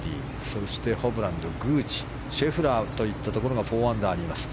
そしてホブラン、グーチシェフラーといったところが４アンダーにいます。